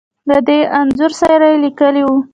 له دې انځور سره يې ليکلې وو .